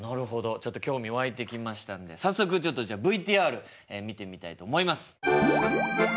ちょっと興味湧いてきましたんで早速ちょっとじゃあＶＴＲ見てみたいと思います。